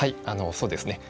そうですね。